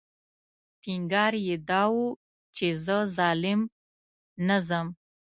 ټینګار یې دا و چې زه ظالم نه ځم.